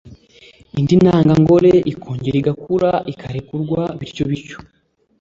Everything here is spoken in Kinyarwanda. indi ntangangore ikongera igakura ikarekurwa, bityo bityo.